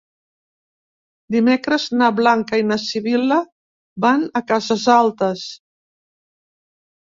Dimecres na Blanca i na Sibil·la van a Cases Altes.